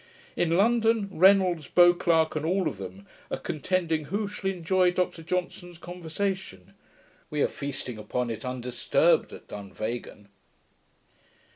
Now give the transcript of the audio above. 'In London, Reynolds, Beauclerk, and all of them, are contending who shall enjoy Dr Johnson's conversation. We are feasting upon it, undisturbed, at Dunvegan.'